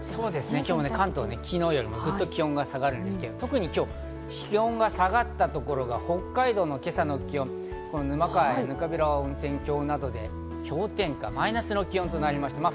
今日、関東は昨日よりグッと気温が下がるんですけど、気温が下がったところ、北海道の今朝の気温、沼川、ぬかびら源泉郷などで氷点下の気温となりました。